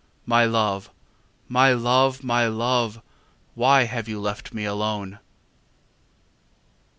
My love, my love, my love, why have you left me alone?